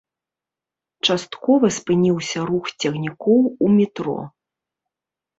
Часткова спыніўся рух цягнікоў у метро.